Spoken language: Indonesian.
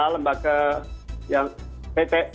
lembaga yang pt